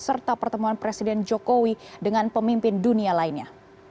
serta pertemuan presiden jokowi dengan pemimpin dunia lainnya